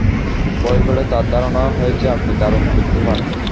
বই পড়ে তার ধারণা হয়েছে আপনি দারুণ বুদ্ধিমান।